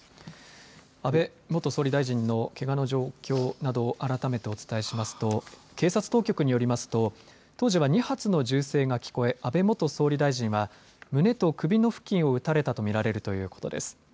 安倍元総理大臣のけがの状況などあらためてお伝えしますと警察当局によりますと当時は２発の銃声が聞こえ安倍元総理大臣は胸と首の付近を撃たれたと見られるということです。